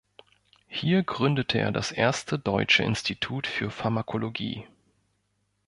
Hier gründete er das erste deutsche Institut für Pharmakologie.